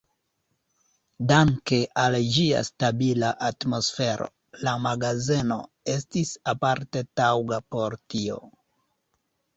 Danke al ĝia stabila atmosfero, la magazeno estis aparte taŭga por tio.